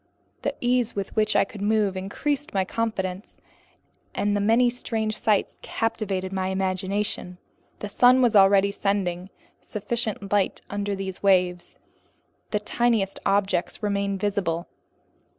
The ease with which I could move increased my confidence, and the many strange sights captivated my imagination. The sun was already sending sufficient light under these waves. The tiniest objects remained visible.